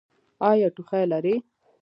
ایا ټوخی لرئ؟